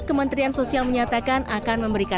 kementerian sosial menyatakan akan memberikan